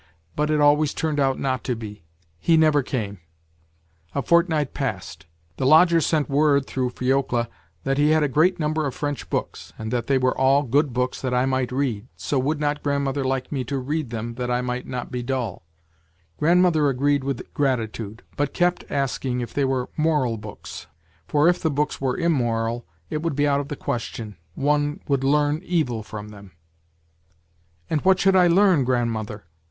But it always turned out not to be, he never came. A fortnight passed; the lodger sent word through F^ojdajyhat he had a greatnumber of IVejicJb^.boiLka_ai)^iJjiatJbh^: \\viv all g(5bd~txK)KS tha't'Tmight_read J _JQ_won1d not, grandmnt.hpr like me tojgftdjfoCTrthajTJji^^ ? Grandmother agreed with gratitude~~but kept asking if they were moral books, for if the books were immoral it would be out of the question, one would learn evil from them." :' And what should I learn, grandmother